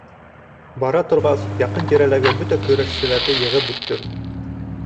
Бара торғас, яҡын-тирәләге бөтә көрәшселәрҙе йығып бөттөм.